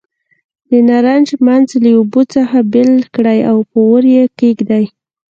د نارنج منځ له اوبو څخه بېل کړئ او په اور یې کېږدئ.